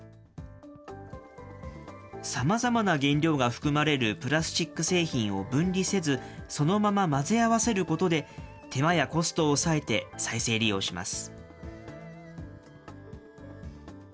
さまざまな原料が含まれるプラスチック製品を分離せず、そのまま混ぜ合わせることで、手間やコストを抑えて再生利用します。